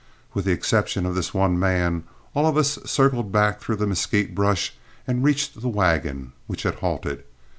With the exception of this one man, all of us circled back through the mesquite brush and reached the wagon, which had halted.